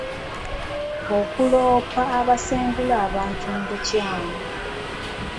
Okuloopa abasengula abantu mu bukyamu.